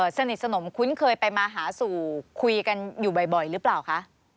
สนิทสนมคุ้นเคยไปมาหาสู่คุยกันอยู่บ่อยหรือเปล่าคะ